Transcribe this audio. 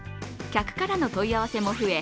客からの問い合わせも増え